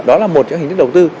đó là một hình thức đầu tư